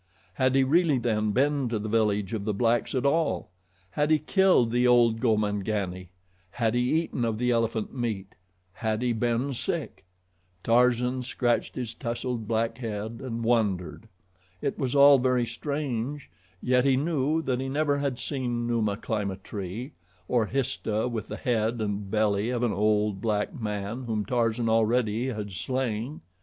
Had he really then been to the village of the blacks at all, had he killed the old Gomangani, had he eaten of the elephant meat, had he been sick? Tarzan scratched his tousled black head and wondered. It was all very strange, yet he knew that he never had seen Numa climb a tree, or Histah with the head and belly of an old black man whom Tarzan already had slain.